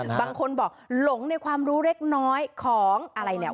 บางคนบอกหลงในความรู้เล็กน้อยของอะไรเนี่ย